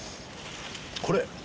これ！